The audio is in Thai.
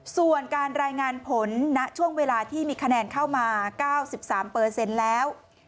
ส่วนการรายงานผลณช่วงเวลาที่มีคะแนนเข้ามา๙๓แล้ว